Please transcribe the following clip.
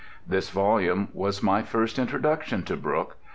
This volume was my first introduction to Brooke.